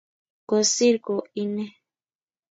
Kosire kot ine